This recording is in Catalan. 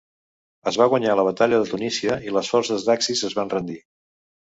Es va guanyar la batalla de Tunísia i les forces d'Axis es van rendir.